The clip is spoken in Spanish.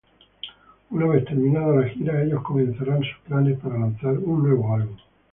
Una vez terminada la gira, ellos comenzaran sus planes para lanzar una nuevo álbum.